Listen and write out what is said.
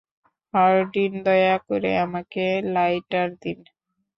Hardinge, দয়া করে, আমাকে লাইটার দিন।